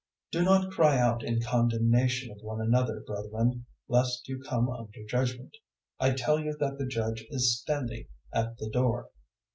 005:009 Do not cry out in condemnation of one another, brethren, lest you come under judgement. I tell you that the Judge is standing at the door.